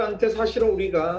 apa demikian juga